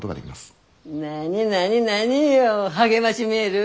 何何何よ励ましメール？